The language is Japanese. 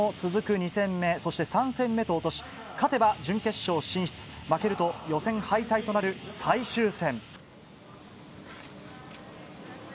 ２戦目、そして３戦目と落とし、勝てば準決勝進出負ければ予選敗退となる最終戦。